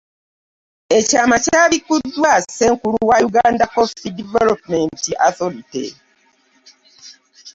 Ekyama kyabikuddwa Ssenkulu wa Uganda Coffee Development Authority